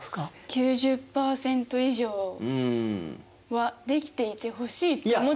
９０％以上はできていてほしいと思ってしまいます。